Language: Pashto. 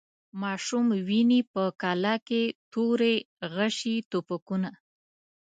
ماشوم ویني په قلا کي توري، غشي، توپکونه